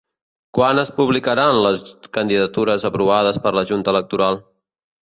Quan es publicaran les candidatures aprovades per la Junta Electoral?